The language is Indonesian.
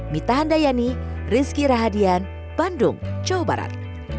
mita anda yani rizky rahadian bandung jawa barat